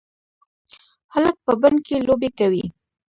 هلک په بڼ کې لوبې کوي.